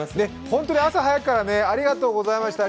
本当に朝早くからありがとうございました。